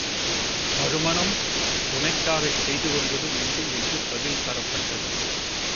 மறு மணம்? துணைக்காகச் செய்து கொள்வதும் உண்டு என்று பதில் தரப்பட்டது.